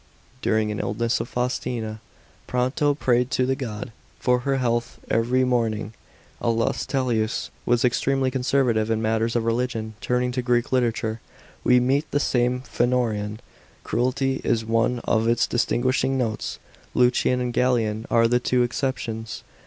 During an illness of Faustina, Pronto prayed to the god > for her health every mo niog. Aulus 'Tellius was extremely conservative in matters of religion. Turning to Greek literature, we meet the same phenoraen n. Credulity is one of its distinguishing notes. Lucian and Galen are the tw<> exceptions.